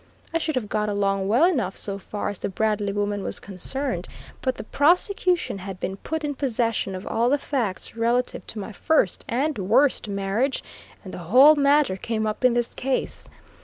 I should have got along well enough so far as the Bradley woman was concerned; but the prosecution had been put in possession of all the facts relative to my first and worst marriage, and the whole matter came up in this case.